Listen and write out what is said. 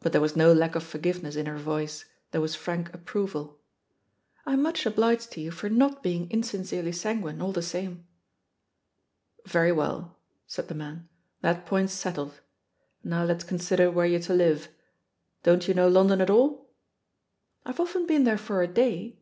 But there was no lack of forgiveness in her voice, there was frank approval. "I'm much obliged to you for not being insincerely sanguine, all the same." "Very well," said the man, "that point's set tled. Now let's consider where you're to livel Don't you know London at all?" "I've often been there for a day.